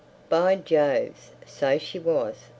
By Jove! So she was.